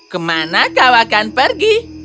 kemana kau akan pergi